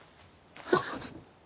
あっ。